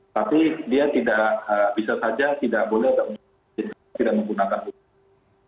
tapi dia bisa saja tidak boleh dan tidak menggunakan bursa